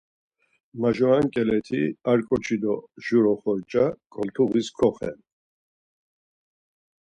Majuran ǩeleti ar ǩoçi do jur oxorca koltuğis koxen.